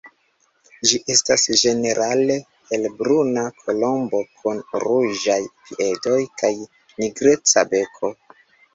Ĝi estas ĝenerale helbruna kolombo kun ruĝaj piedoj kaj nigreca beko.